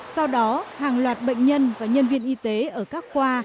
sau đó hàng loạt bệnh nhân và nhân viên y tế ở các khoa